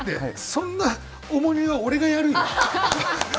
そんな重みは俺がやるよ。